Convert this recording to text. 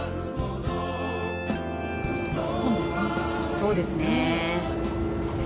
そうですね。